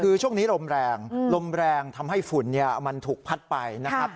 คือช่วงนี้ลมแรงลมแรงทำให้ฝุ่นมันถูกพัดไปนะครับ